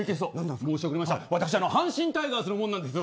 私、阪神タイガースのもんなんです。